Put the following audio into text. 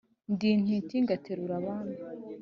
ndi intiti ngategurira abami